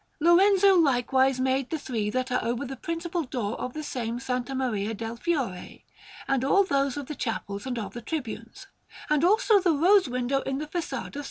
Lorenzo likewise made the three that are over the principal door of the same S. Maria del Fiore, and all those of the chapels and of the tribunes, and also the rose window in the façade of S.